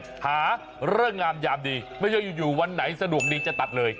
หาเลิกงามยามดีไม่ใช่อยู่วันไหนสะดวกดีจะตัดเลย